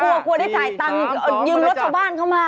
กลัวกลัวได้จ่ายตังค์ยืมรถชาวบ้านเข้ามา